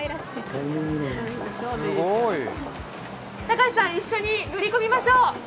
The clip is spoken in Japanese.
孝さん、一緒に乗り込みましょう。